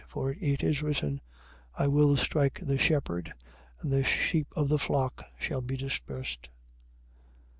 For it is written: I will strike the shepherd: and the sheep of the flock shall be dispersed.